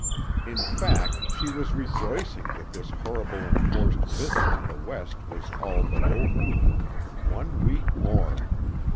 In fact, she was rejoicing that this horrible enforced visit to the West was all but over. One week more!